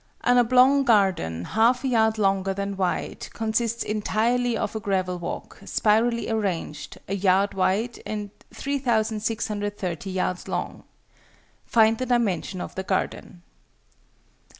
_ An oblong garden, half a yard longer than wide, consists entirely of a gravel walk, spirally arranged, a yard wide and 3,630 yards long. Find the dimensions of the garden.